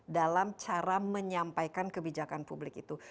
dalam cara menyampaikan kebijakan publik itu